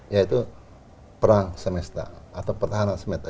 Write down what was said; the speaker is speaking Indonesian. yaitu perang semesta atau pertahanan semeta